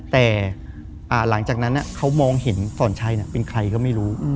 แต่หลังจากนั้นเขามองเห็นสอนชัยเป็นใครก็ไม่รู้